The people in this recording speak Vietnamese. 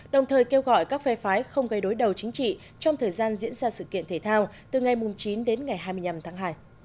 đồng thời kêu gọi các phe phái không gây đối đầu chính trị trong thời gian diễn ra sự kiện thể thao từ ngày chín đến ngày hai mươi năm tháng hai